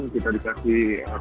tujuh satu kita dikaki